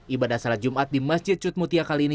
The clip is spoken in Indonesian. ibadah salat jumat di masjid cutmutia kali ini